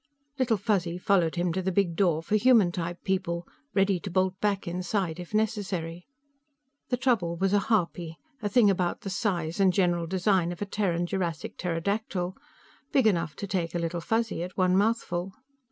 Little Fuzzy followed him to the big door for human type people, ready to bolt back inside if necessary. The trouble was a harpy a thing about the size and general design of a Terran Jurassic pterodactyl, big enough to take a Little Fuzzy at one mouthful.